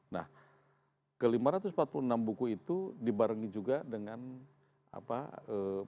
nah ke lima ratus empat puluh enam buku itu dibarengi juga dengan program yang berkaitan dengan